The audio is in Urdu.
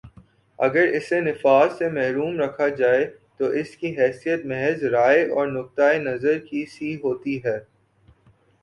اگر اسے نفاذ سے محروم رکھا جائے تو اس کی حیثیت محض رائے اور نقطۂ نظر کی سی ہوتی ہے